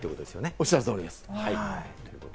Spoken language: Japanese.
おっしゃる通りです。